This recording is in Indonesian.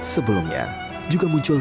sebelumnya juga muncul